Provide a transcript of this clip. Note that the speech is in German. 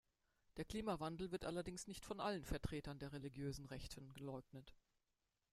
Der Klimawandel wird allerdings nicht von allen Vertretern der religiösen Rechten geleugnet.